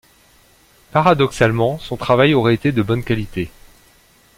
Paradoxalement son travail aurait été de bonne qualité.